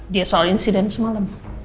dia soal insiden semalam